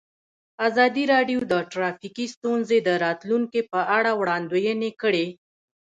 ازادي راډیو د ټرافیکي ستونزې د راتلونکې په اړه وړاندوینې کړې.